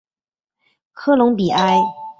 科隆比埃。